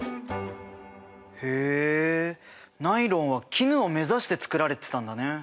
へえナイロンは絹を目指して作られてたんだね。